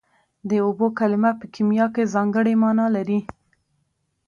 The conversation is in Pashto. د اوبو کلمه په کیمیا کې ځانګړې مانا لري